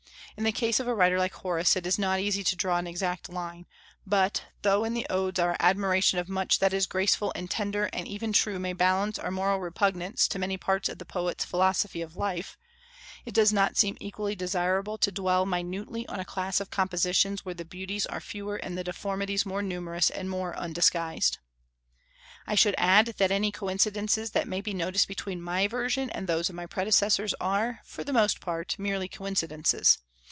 In the case of a writer like Horace it is not easy to draw an exact line; but though in the Odes our admiration of much that is graceful and tender and even true may balance our moral repugnance to many parts of the poet's philosophy of life, it does not seem equally desirable to dwell minutely on a class of compositions where the beauties are fewer and the deformities more numerous and more undisguised. I should add that any coincidences that may be noticed between my version and those of my predecessors are, for the most part, merely coincidences.